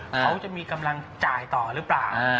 เขาจะมีกำลังจ่ายต่อหรือเปล่า